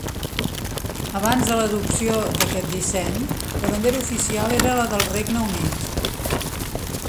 Abans de l'adopció d'aquest disseny, la bandera oficial era la del Regne Unit.